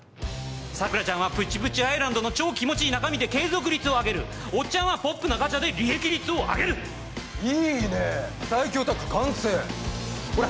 桜ちゃんは「プチプチアイランド」の超気持ちいい中身で継続率を上げるおっちゃんはポップなガチャで利益率を上げるいいねえ最強タッグ完成ほら